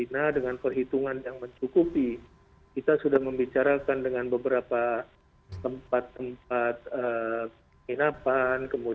iya adanya varian baru